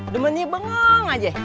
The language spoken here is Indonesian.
demennya bengong aja